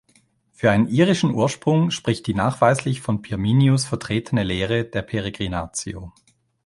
Für einen irischen Ursprung spricht die nachweislich von Pirminius vertretene Lehre der "Peregrinatio".